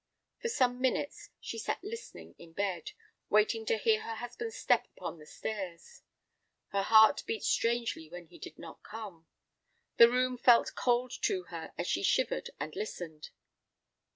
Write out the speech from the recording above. For some minutes she sat listening in bed, waiting to hear her husband's step upon the stairs. Her heart beat strangely when he did not come; the room felt cold to her as she shivered and listened.